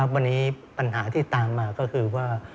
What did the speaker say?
วันนี้ปัญหาที่ตามมาก็คือว่า